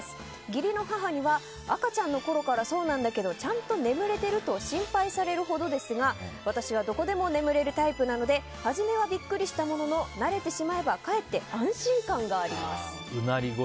義理の母には赤ちゃんのころからそうなんだけどちゃんと眠れてる？と心配されるほどですが私はどこでも眠れるタイプなので初めはビックリしたものの慣れてしまえばかえって安心感があります。